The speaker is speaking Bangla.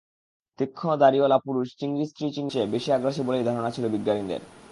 তীক্ষ্ণ দাঁড়াওয়ালা পুরুষ চিংড়ি স্ত্রী চিংড়ির চেয়ে বেশি আগ্রাসী বলেই ধারণা ছিল বিজ্ঞানীদের।